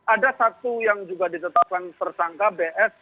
ada satu yang juga ditetapkan tersangka bs